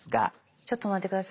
ちょっと待って下さい。